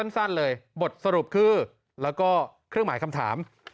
สั้นเลยบทสรุปคือแล้วก็เครื่องหมายคำถาม